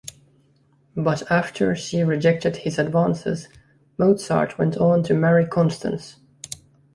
But after she rejected his advances, Mozart went on to marry Constanze.